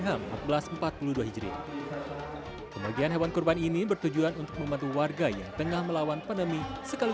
sebagai seorang kita yang berjuang penaga kesehatan kami ingin juga memberikan semangat kepada yang sedang berjuang mengatasi covid sembilan belas